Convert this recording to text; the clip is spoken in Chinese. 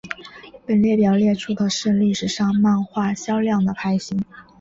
本列表列出的是历史上漫画销量的排行。